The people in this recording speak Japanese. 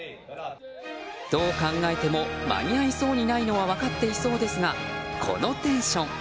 どう考えても間に合いそうにないのは分かっていそうですがこのテンション。